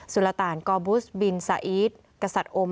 สุลตานก